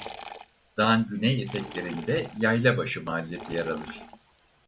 Dağın güney eteklerinde Yaylabaşı mahallesi yer alır.